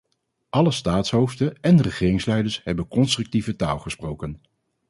Alle staatshoofden en regeringsleiders hebben constructieve taal gesproken.